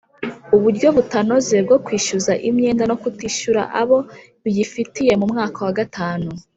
Uburyo butanoze bwo kwishyuza imyenda no kutishyura abo biyifitiye mu mwaka wa gatanu